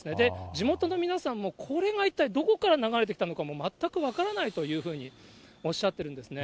地元の皆さんも、これが一体どこから流れてきたのかも全く分からないというふうにおっしゃってるんですね。